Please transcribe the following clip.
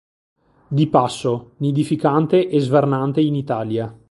Di passo, nidificante e svernante in Italia.